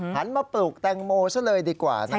หันมาปลูกแตงโมซะเลยดีกว่า